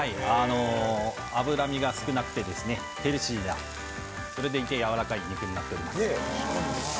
脂身が少なくてヘルシーな、それでいてやわらかい肉になっております。